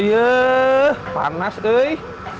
aiyah panas kei